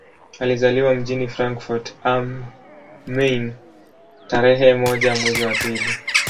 Alizaliwa mjini Frankfurt am Main tarehe moja mwezi wa pili